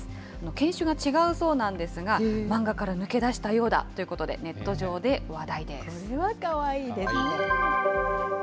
犬種が違うそうなんですが、漫画から抜け出したようだということこれはかわいいですね。